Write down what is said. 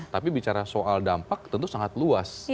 tapi bicara soal dampak tentu sangat luas